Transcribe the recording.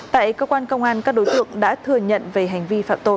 tại cơ quan công an các đối tượng đã thừa nhận về hành vi phạm tội